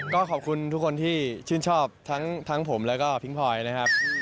ก็ขอบคุณทุกคนที่ชื่นชอบทั้งผมแล้วก็พิงพลอยนะครับ